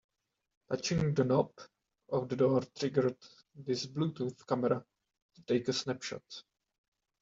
Touching the knob of the door triggers this Bluetooth camera to take a snapshot.